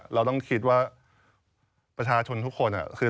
เราต้องคิดว่าประชาชนทุกคนคือ